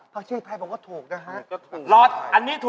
ไม่แพงครับอันนี้